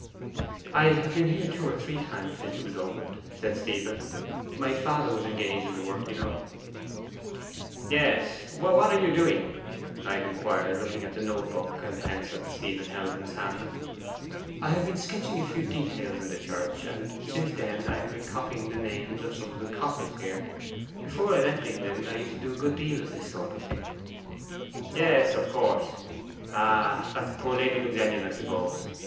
'I have been here two or three times since it was opened,' said Stephen. 'My father was engaged in the work, you know.' 'Yes. What are you doing?' Knight inquired, looking at the note book and pencil Stephen held in his hand. 'I have been sketching a few details in the church, and since then I have been copying the names from some of the coffins here. Before I left England I used to do a good deal of this sort of thing.' 'Yes; of course. Ah, that's poor Lady Luxellian, I suppose.